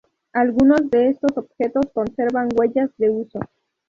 Algunos de estos objetos conservan huellas de uso.